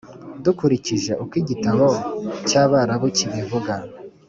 dukurikije uko igitabo cy’abarabu kibivuga,